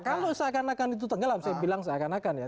kalau seakan akan itu tenggelam saya bilang seakan akan ya